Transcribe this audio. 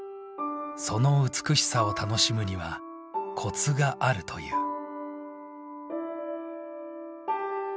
その美しさを楽しむにはコツがあるという。